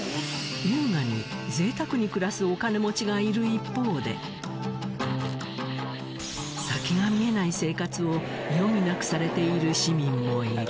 優雅に贅沢に暮らすお金持ちがいる一方で先が見えない生活を余儀なくされている市民もいる。